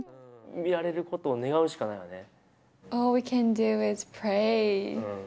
見られることを願うしかないよね。